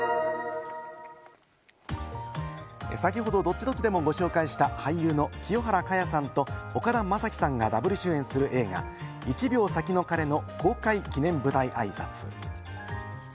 先ほどＤｏｔｔｉ‐Ｄｏｔｔｉでもご紹介した俳優の清原果耶さんと、岡田将生さんがダブル主演する映画『１秒先の彼』の公開記念舞台あいさつ。